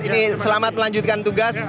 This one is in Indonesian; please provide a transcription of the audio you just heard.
ini selamat melanjutkan tugas